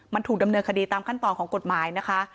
มันถูกดำเนินคดีตามขั้นตอนของกฎหมายนะคะ